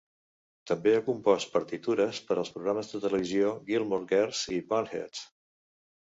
També ha compost partitures per als programes de televisió "Gilmore Girls" i "Bunheads".